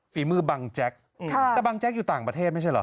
ฝีมือบังแจ๊กแต่บังแจ๊กอยู่ต่างประเทศไม่ใช่เหรอ